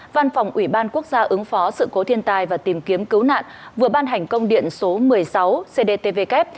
văn phòng ủy ban quốc gia ứng phó sự cố thiên tai và tìm kiếm cứu nạn vừa ban hành công điện số một mươi sáu cdtvk